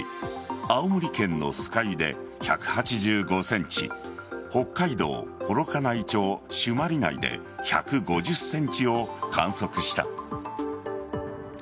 青森県の酸ケ湯で１８５ｃｍ北海道幌加内町朱鞠内で１５０ｃｍを観測した。